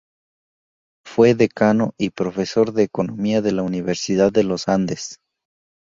Fue decano y profesor de Economía de la Universidad de los Andes.